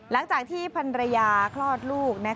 หลังจากที่พันรยาคลอดลูก